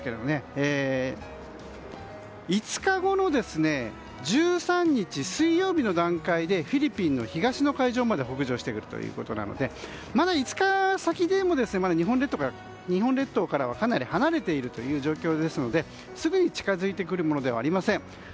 ５日後の１３日、水曜日の段階でフィリピンの東の海上まで北上してくるということでまだ５日先で、日本列島からはかなり離れているという状況なのですぐに近づいてくるものではありません。